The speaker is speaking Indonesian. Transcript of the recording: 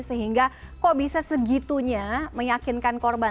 sehingga kok bisa segitunya meyakinkan korban